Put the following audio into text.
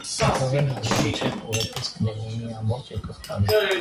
Գտնողին հաջողությունը ուղեկից կլինի մի ամբողջ եկող տարի։